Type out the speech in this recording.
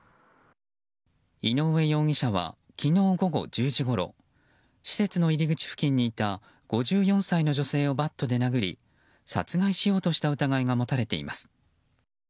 井上容疑者は昨日午後１０時ごろ施設の入り口付近にいた５４歳の女性をバットで殴り殺害しようとした疑いが持たれています。